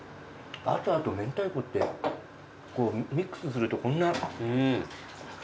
バターとめんたいこってミックスするとこんな。